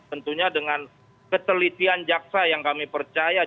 tentunya dengan ketelitian jaksa yang kami percaya